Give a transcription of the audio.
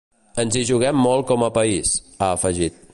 Ens hi juguem molt com a país, ha afegit.